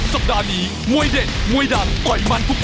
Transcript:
สัปดาห์นี้มวยเด็ดมวยดังต่อยมันทุก